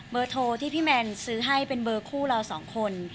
โทรที่พี่แมนซื้อให้เป็นเบอร์คู่เราสองคน